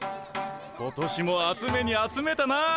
今年も集めに集めたな。